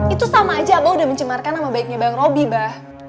itu sama aja abah udah mencemarkan sama baiknya bang robi mbak